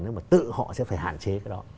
nếu mà tự họ sẽ phải hạn chế cái đó